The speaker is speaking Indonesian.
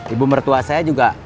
ibu mertua saya juga